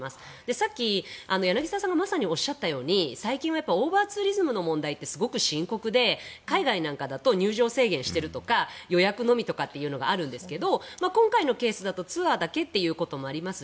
さっき、柳澤さんがまさにおっしゃったように最近はオーバーツーリズムの問題ってすごく深刻で海外なんかだと入場制限しているとか予約のみというのがあるんですが今回のケースだとツアーだけということもあります